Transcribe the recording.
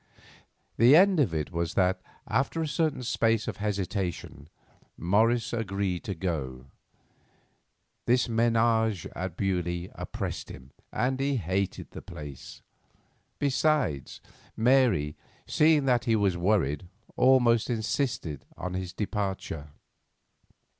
The end of it was that, after a certain space of hesitation, Morris agreed to go. This "ménage" at Beaulieu oppressed him, and he hated the place. Besides, Mary, seeing that he was worried, almost insisted on his departure.